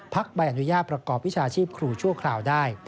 ใบอนุญาตประกอบวิชาชีพครูชั่วคราวได้